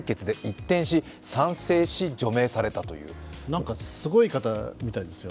何かすごい方みたいですよ。